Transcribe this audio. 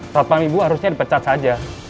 satpam ibu harusnya dipecat saja